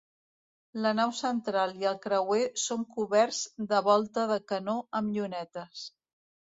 La nau central i el creuer són coberts de volta de canó amb llunetes.